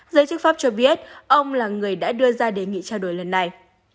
giới chức pháp cho biết ông là người đã đưa ra đề nghị trao đổi lần này